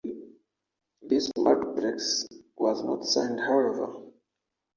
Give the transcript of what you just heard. This multiplex was not signed, however.